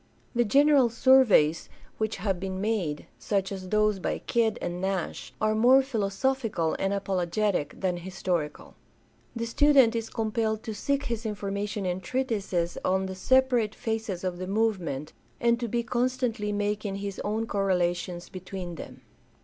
The general surveys which THE PEVELOPMENT OF MODERN CHRISTIANITY 469 have been made, such as those by Kidd and Nash, are more philosophical and apologetic than historical. The student is compelled to seek his information in treatises on the separate phases of the movement, and to be constantly making his own correlations between them.